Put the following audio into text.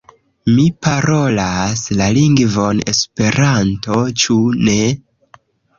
Mi parolas la lingvon Esperanto, ĉu ne?